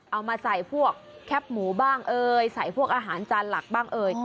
เอามาใส่พวกแคปหมูบ้างเอ่ยใส่พวกอาหารจานหลักบ้างเอ่ย